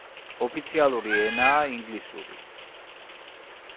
ოფიციალური ენაა ინგლისური.